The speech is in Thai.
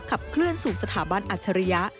ขับเคลื่อนสู่สถาบันอัจฉริยะ